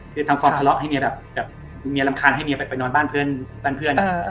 คือทั้งความทะเลาะให้เมียลำคาญนอนเพื่อนที่ใบด